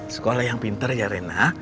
sekolah yang pintar ya rena